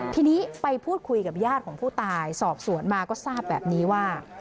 ทีนี้ไปพูดคุยกับญาติของผู้ตายสอบสวนมาก็ทราบแบบนี้ว่า